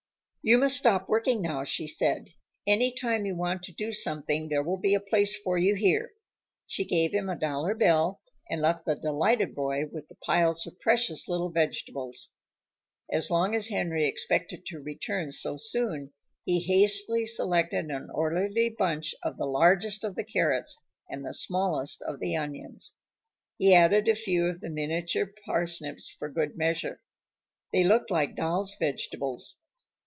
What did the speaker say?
"You must stop working now," she said. "Any time you want to do something, there will be a place for you here." She gave him a dollar bill, and left the delighted boy with the piles of precious little vegetables. As long as Henry expected to return so soon, he hastily selected an orderly bunch of the largest of the carrots and the smallest of the onions. He added a few of the miniature parsnips for good measure. They looked like dolls' vegetables.